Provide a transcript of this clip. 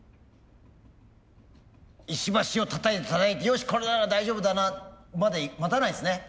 石橋をたたいてたたいて「よし！これなら大丈夫だな」まで待たないんですね。